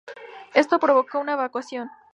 Esto provocó una evacuación.